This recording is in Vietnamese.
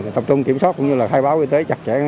tập trung kiểm soát cũng như khai báo y tế chặt chẽ